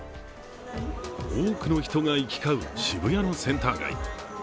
多くの人が行き交う渋谷のセンター街。